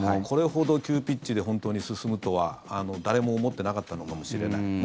これほど急ピッチで本当に進むとは誰も思ってなかったのかもしれない。